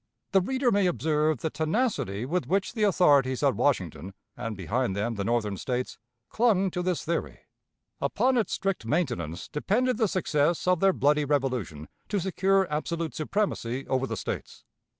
The reader may observe the tenacity with which the authorities at Washington, and, behind them, the Northern States, clung to this theory. Upon its strict maintenance depended the success of their bloody revolution to secure absolute supremacy over the States.